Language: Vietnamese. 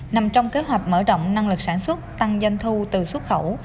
nằm trong kế hoạch mở rộng năng lực sản xuất tăng doanh thu từ xuất khẩu